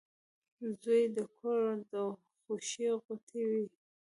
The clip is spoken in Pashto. • زوی د کور د خوښۍ غوټۍ وي.